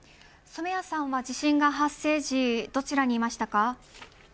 ソメヤさんは地震発生時どこにいましたか。